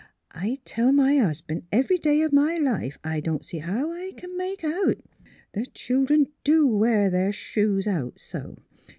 *' I tell my hus'ban' every day of my life I don't see how I can make out; the children do wear their shoes out so.